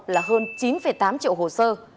là hơn chín tám triệu hồ sơ